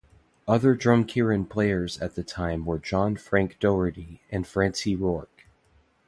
Other Drumkeeran players at the time were John Frank Doherty and Francie Rourke.